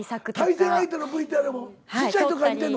対戦相手のＶＴＲもちっちゃいときから見てんの？